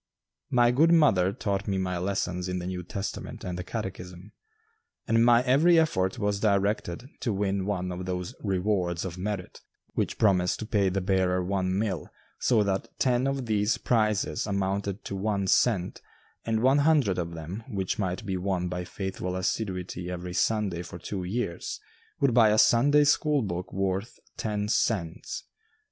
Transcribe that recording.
My good mother taught me my lessons in the New Testament and the Catechism, and my every effort was directed to win one of those "Rewards of Merit," which promised to pay the bearer one mill, so that ten of these prizes amounted to one cent, and one hundred of them, which might be won by faithful assiduity every Sunday for two years, would buy a Sunday school book worth ten cents.